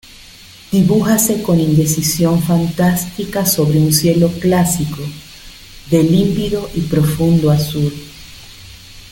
dibújase con indecisión fantástica sobre un cielo clásico, de límpido y profundo azul.